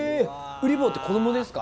うり坊って子どもですか？